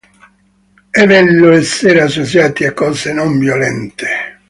È bello essere associati a cose non-violente.